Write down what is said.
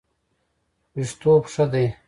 ویښتوب ښه دی.